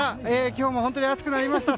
今日も本当に暑くなりました。